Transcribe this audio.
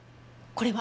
これは？